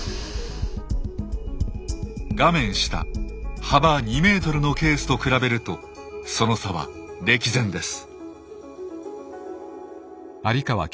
画面下幅２ｍのケースと比べるとその差は歴然です。